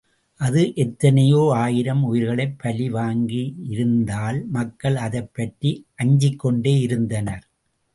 அது எத்தனையோ ஆயிரம் உயிர்களைப் பலி வாங்கி யிருந்த்தால் மக்கள் அதைப்பற்றி அஞ்சிக்கொண்டேயிருந்தனர்.